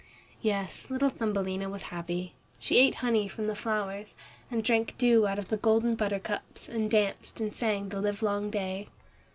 Yes, little Thumbelina was happy. She ate honey from the flowers, and drank dew out of the golden buttercups and danced and sang the livelong day.